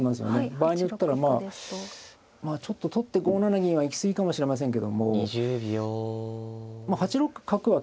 場合によったらまあちょっと取って５七銀は行き過ぎかもしれませんけどもまあ８六角は警戒してるところですよね。